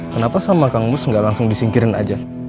kenapa sama kang emus gak langsung disingkirin aja